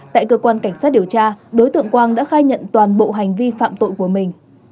tại cơ quan cảnh sát điều tra đối tượng quang đã khai nhận toàn bộ hành vi phạm tội của mình